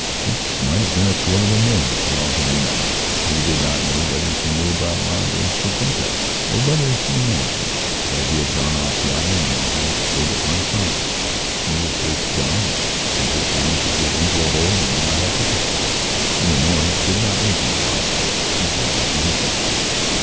It might have been a quarter of a million for all he remembered. He did not know whether she knew about La Dolciquita or whether she imagined that he had gone off yachting or had stayed at Monte Carlo. He was just dumb and he just wanted to get into a hole and not have to talk. Leonora did not make him talk and she said nothing herself.